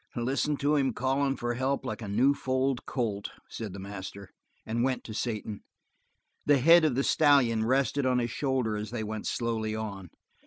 "Listen to him callin' for help like a new foaled colt," said the master, and went to Satan. The head of the stallion rested on his shoulder as they went slowly on.